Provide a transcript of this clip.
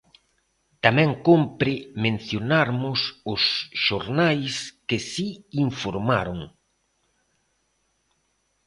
Tamén cómpre mencionarmos os xornais que si informaron!